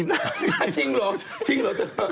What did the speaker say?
จริงเหรอ